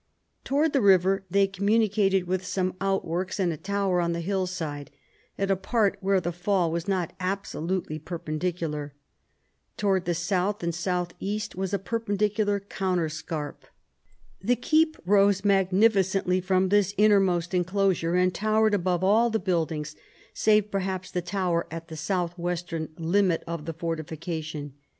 Towards the river they communicated with some outworks and a tower on the hillside, at a part where the fall was not absolutely perpendicular. Towards the south and south east was a perpendicular counterscarp. The keep rose magnificently from this innermost enclosure, and towered above all the buildings, save perhaps the tower at the south western limit of the fortification.